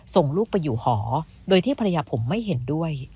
ส่งลูกไปอยู่หอโดยที่ภรรยาผมไม่เห็นด้วย